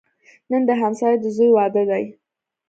نن د همسایه د زوی واده دی